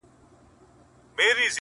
ستا د ښکلي مخ له رويه چي خوښيږي!!